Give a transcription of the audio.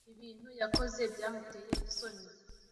ibintu yakoze byamuteye isoni